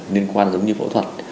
nên quan giống như phẫu thuật